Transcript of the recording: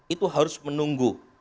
itu harus menunggu